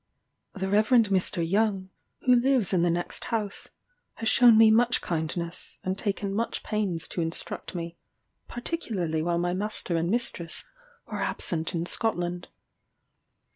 The Rev. Mr. Young, who lives in the next house, has shown me much kindness, and taken much pains to instruct me, particularly while my master and mistress were absent in Scotland.